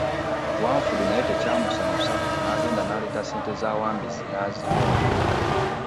Wanfudu naye tekyamusanyusa n’agenda n’aleeta ssente za Wambizzi n’azimuwa.